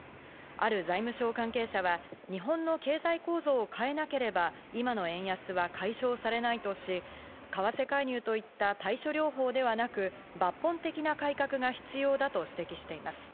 ある財務省関係者は日本の経済構造を変えなければ、今の円安は解消されないとし、為替介入といった対処療法ではなく、抜本的な改革が必要だと指摘しています。